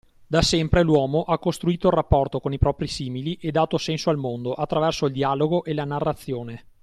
Da sempre l’uomo ha costruito il rapporto con i propri simili e dato senso al mondo, attraverso il dialogo e la narrazione.